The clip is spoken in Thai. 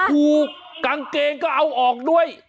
ถูกกางเกงก็เอาออกด้วย